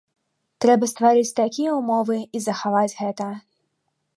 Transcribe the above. Трэба стварыць такія ўмовы і захаваць гэта.